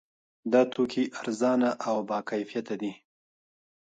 دا توکي ارزانه او باکیفیته دي.